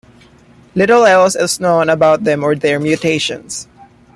Little else is known about them or their mutations.